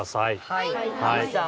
はい。